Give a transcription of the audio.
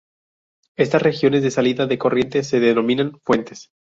Estas regiones de salida de corriente se denominan fuentes.